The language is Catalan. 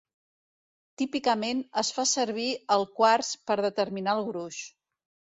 Típicament es fa servir el quars per determinar el gruix.